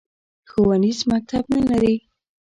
ښوونیز مکتب نه لري